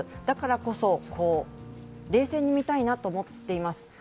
だからこそ、冷静に見たいなと思っています。